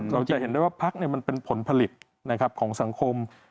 เราจะเห็นได้ว่าพักมันเป็นผลผลิตของสังคม